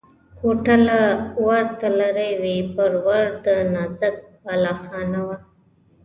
کوټې له ورته لرې وې، پر ور د نازک بالاخانه وه.